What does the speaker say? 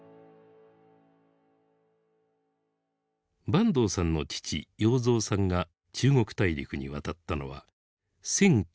坂東さんの父要三さんが中国大陸に渡ったのは１９３４年。